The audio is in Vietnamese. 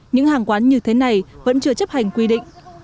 những hàng quán như thế này vẫn chưa chấp hành quy định